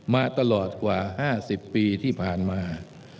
มาตลอดกว่า๕๐ปีที่ผ่านมา